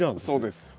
そうです。